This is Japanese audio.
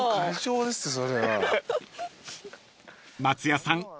［松也さん